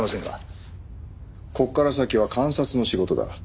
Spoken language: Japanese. ここから先は監察の仕事だ。